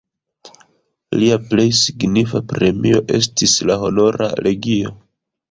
Lia plej signifa premio estis la Honora legio.